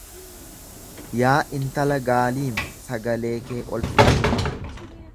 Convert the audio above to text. Yaa intala Gaaliim sagalee kee ol fudhadhu.